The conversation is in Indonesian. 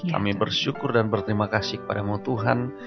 kami bersyukur dan berterima kasih kepadamu tuhan